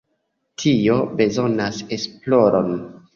Tio bezonas esploron.